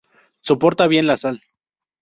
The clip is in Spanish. Soporta bien la sal.